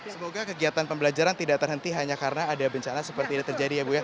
semoga kegiatan pembelajaran tidak terhenti hanya karena ada bencana seperti ini terjadi ya bu ya